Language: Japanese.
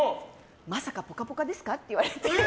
まさか「ぽかぽか」ですかって言われて。